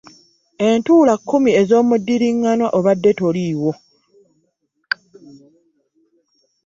Entuula kkumi ez'omuddiriŋŋanwa obadde toliiwo.